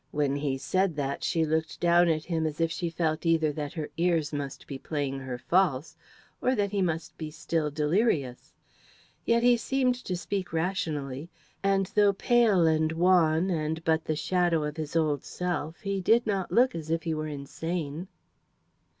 When he said that, she looked down at him as if she felt either that her ears must be playing her false or that he must be still delirious. Yet he seemed to speak rationally, and although pale and wan and but the shadow of his old self, he did not look as if he were insane.